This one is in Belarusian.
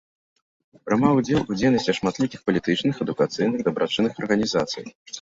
Прымаў удзел у дзейнасці шматлікіх палітычных, адукацыйных, дабрачынных арганізацый.